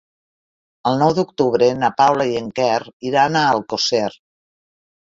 El nou d'octubre na Paula i en Quer iran a Alcosser.